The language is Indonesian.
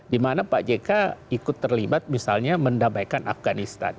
dimana pak jk ikut terlibat misalnya mendamaikan afganistan